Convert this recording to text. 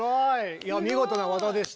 いや見事な技でした。